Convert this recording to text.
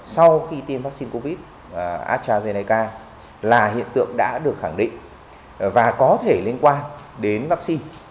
sau khi tiêm vaccine covid một mươi chín là hiện tượng đã được khẳng định và có thể liên quan đến vaccine